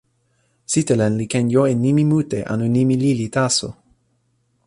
sitelen li ken jo e nimi mute anu nimi lili taso.